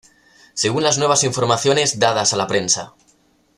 Según las nuevas informaciones dadas a la prensa